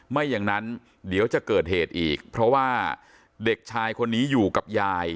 ไม่อย่างนั้นเดี๋ยวจะเกิดเหตุอีกเพราะว่าเด็กชายคนนี้อยู่กับยาย